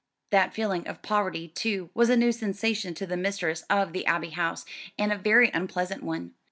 That feeling of poverty, too, was a new sensation to the mistress of the Abbey House, and a very unpleasant one.